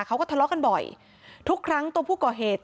เขาก็ทะเลาะกันบ่อยทุกครั้งตัวผู้ก่อเหตุ